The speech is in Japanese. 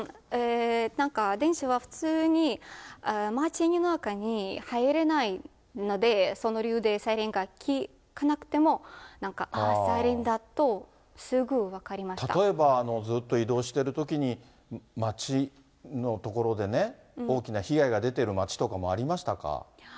なんか、電車は普通に街の中に入れないので、その理由でサイレンが聞かなくても、なんか、あー、サイレンだと、例えば、ずっと移動しているときに、街のところでね、大きな被害が出てる街とかもありましたか？